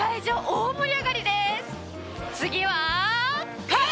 次は。